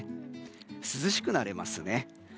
涼しくなりますね。